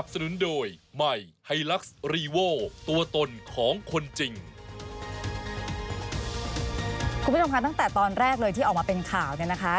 คุณผู้ชมค่ะตั้งแต่ตอนแรกเลยที่ออกมาเป็นข่าวเนี่ยนะคะ